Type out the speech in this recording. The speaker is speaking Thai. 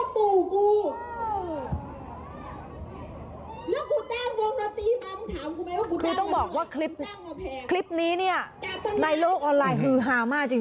คุณครูต้องบอกว่าคลิปนี้เนี่ยในโลกออนไลน์ฮือฮามากจริง